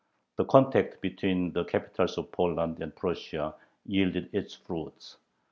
The contact between the capitals of Poland and Prussia yielded its fruits.